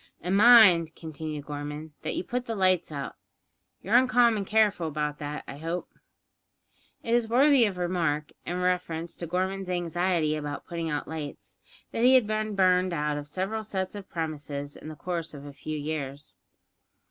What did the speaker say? "And mind," continued Gorman, "that you put the lights out. You're uncommon careful about that, I hope?" It is worthy of remark, in reference to Gorman's anxiety about putting out lights, that he had been burned out of several sets of premises in the course of a few years.